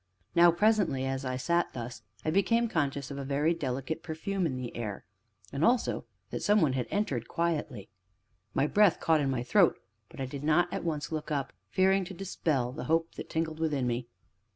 Now presently, as I sat thus, I became conscious of a very delicate perfume in the air, and also, that some one had entered quietly. My breath caught in my throat, but I did not at once look up, fearing to dispel the hope that tingled within me.